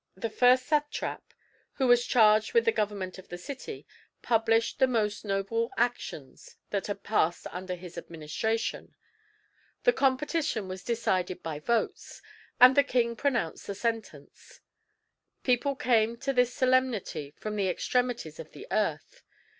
The first satrap, who was charged with the government of the city, published the most noble actions that had passed under his administration. The competition was decided by votes; and the king pronounced the sentence. People came to this solemnity from the extremities of the earth.